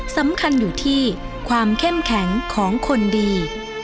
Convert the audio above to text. สำคัญอยู่ที่ความเข้มแข็งของคนดี